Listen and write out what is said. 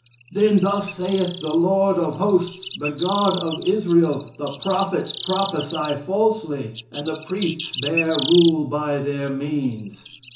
Then 'thus saith the Lord of Hosts, the God of Israel, the prophets prophesy falsely and the priests bear rule by their means.'